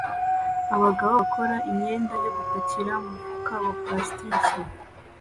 Abagabo bakora imyenda yo gupakira mumufuka wa plastiki